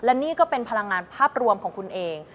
และนี่ก็เป็นพลังงานภาพรวมของคุณเอง